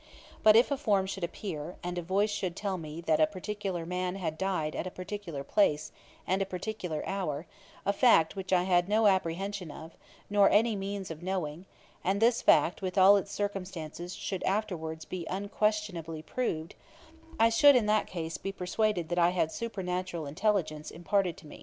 But if a form should appear, and a voice should tell me that a particular man had died at a particular place, and a particular hour, a fact which I had no apprehension of, nor any means of knowing, and this fact, with all its circumstances, should afterwards be unquestionably proved, I should, in that case, be persuaded that I had supernatural intelligence imparted to me.'